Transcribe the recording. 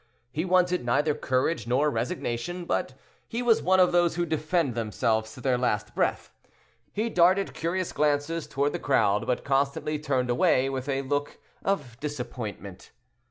He wanted neither courage nor resignation; but he was one of those who defend themselves to their last breath. He darted curious glances toward the crowd, but constantly turned away, with a look of disappointment.